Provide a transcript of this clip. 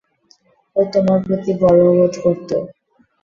ও তোমায় প্রতি গর্ববোধ করতো।